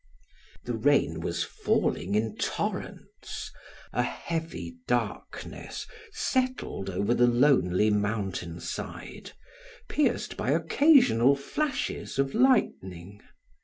The rain was falling in torrents; a heavy darkness settled over the lonely mountain side, pierced by occasional flashes of lightning.